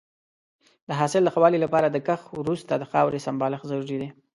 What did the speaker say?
د حاصل د ښه والي لپاره د کښت وروسته د خاورې سمبالښت ضروري دی.